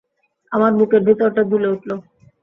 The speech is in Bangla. আমার বুকের ভিতরটা দুলে উঠল।